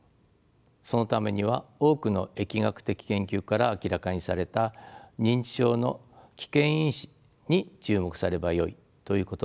そのためには多くの疫学的研究から明らかにされた認知症の危険因子に注目すればよいということになります。